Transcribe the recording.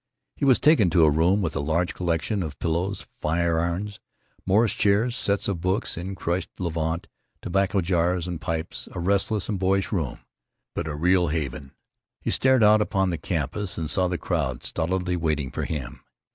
He was taken to a room with a large collection of pillows, fire irons, Morris chairs, sets of books in crushed levant, tobacco jars and pipes—a restless and boyish room, but a real haven. He stared out upon the campus, and saw the crowd stolidly waiting for him.